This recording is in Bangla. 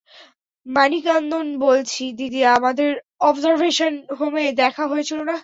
মানিকান্দন বলছি, দিদি আমাদের অবজারভেশন হোমে দেখা হয়েছিল না?